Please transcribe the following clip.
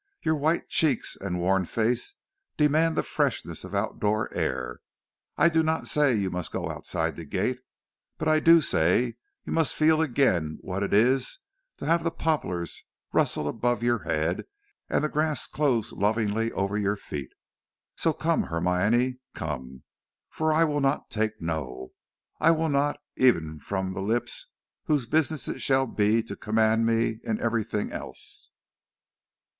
Your white cheeks and worn face demand the freshness of out door air. I do not say you must go outside the gate, but I do say you must feel again what it is to have the poplars rustle above your head and the grass close lovingly over your feet. So come, Hermione, come, for I will not take no, I will not, even from the lips whose business it shall be to command me in everything else."